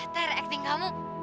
ter acting kamu